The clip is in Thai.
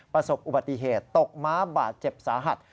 ประสบอุบัติเหตุตกม้าบาดเจ็บสาหัส